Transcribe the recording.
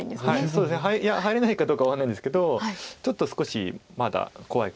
そうですねいや入れないかどうか分かんないですけどちょっと少しまだ怖いですか。